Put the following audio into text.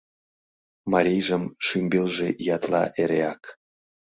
Марийжым шӱмбелже ятла эреак